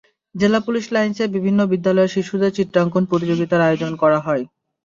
জেলা পুলিশ লাইনসে বিভিন্ন বিদ্যালয়ের শিশুদের চিত্রাঙ্কন প্রতিযোগিতার আয়োজন করা হয়।